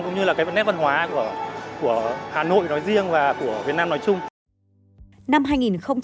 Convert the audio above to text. cũng như nét văn hóa của hà nội nói riêng và của việt nam nói chung